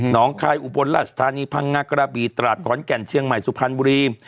น้องคายอุบลราชธานีพังงากระบีตราดขอนแก่นเชียงใหม่สุพรรณบุรี